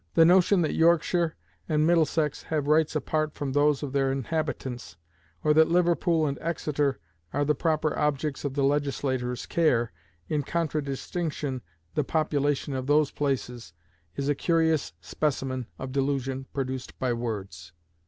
The notion that Yorkshire and Middlesex have rights apart from those of their inhabitants, or that Liverpool and Exeter are the proper objects of the legislator's care, in contradistinction the population of those places, is a curious specimen of delusion produced by words.